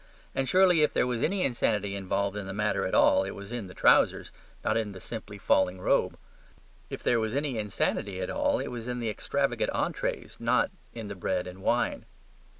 And surely if there was any insanity involved in the matter at all it was in the trousers, not in the simply falling robe. If there was any insanity at all, it was in the extravagant entrees, not in the bread and wine.